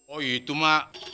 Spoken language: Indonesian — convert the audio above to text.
oh itu mak